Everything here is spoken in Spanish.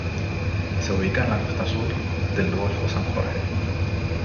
Se ubica en la costa sur del golfo San Jorge.